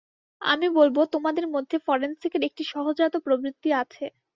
আমি বলবো তোমার মধ্যে ফরেনসিকের একটি সহজাত প্রবৃত্তি আছে।